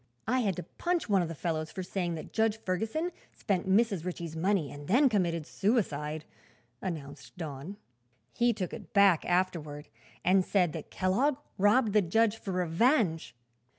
"I had to punch one of the fellows for saying that Judge Ferguson spent Mrs. Ritchie's money and then committed suicide," announced Don. "He took it back, afterward, and said that Kellogg robbed the judge for revenge.